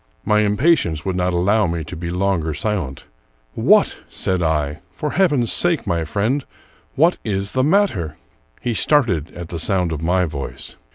My impatience would not allow me to be longer silent. " What," said I, " for heaven's sake, my friend, — what is the matter?" He started at the sound of my voice.